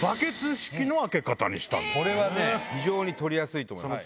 これは非常に取りやすいと思います。